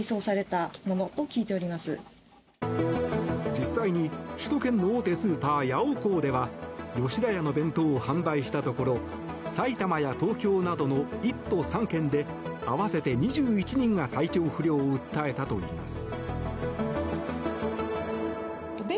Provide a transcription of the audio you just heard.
実際に、首都圏の大手スーパーヤオコーでは吉田屋の弁当を販売したところ埼玉や東京などの１都３県で合わせて２１人が体調不良を訴えたといいます。